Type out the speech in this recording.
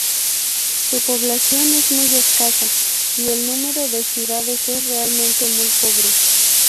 Su población es muy escasa y el número de ciudades es realmente muy pobre.